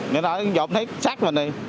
chúng ta ở gần gần thấy sát vầng rồi